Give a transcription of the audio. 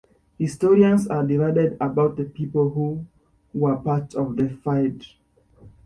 Historians are divided about the people who were part of the fyrd.